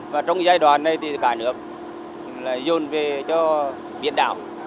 và trong giai đoạn này thì cả nước là dồn về cho biển đảo